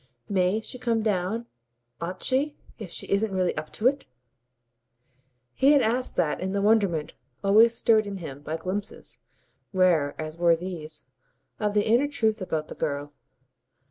"MAY she come down ought she if she isn't really up to it?" He had asked that in the wonderment always stirred in him by glimpses rare as were these of the inner truth about the girl.